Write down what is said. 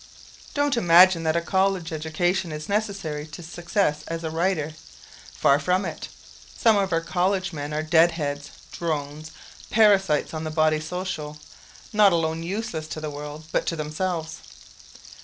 Don't imagine that a college education is necessary to success as a writer. Far from it. Some of our college men are dead heads, drones, parasites on the body social, not alone useless to the world but to themselves.